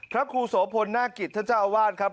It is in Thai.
ครับครูโสพนนากิตท่านเจ้าอาวาสครับ